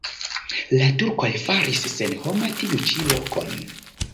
La turkoj faris senhoma tiu ĉi lokon.